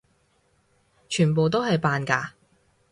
全部都係扮㗎！